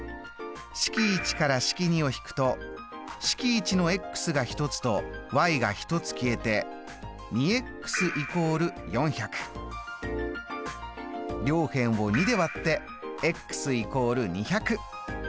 式１から式２を引くと式１のが１つとが１つ消えて両辺を２で割って＝